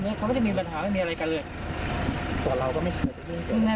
เขาไม่ได้มีปัญหาไม่มีอะไรกันเลยต่อเราก็ไม่เคย